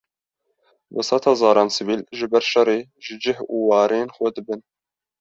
Bi sed hezaran sivîl, ji ber şerê, ji cih û warên xwe dibin